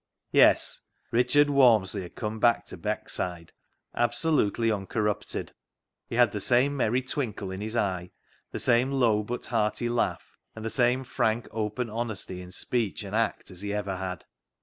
Yes, Richard Walmsley had come back to Beckside absolutely uncorrupted. He had the same merry twinkle in his eye, the same low but hearty laugh, and the same frank, open honesty in speech and act as he ever had.